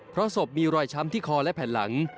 เพราะศพมีรอยช้ำที่คอและแผ่นหลัง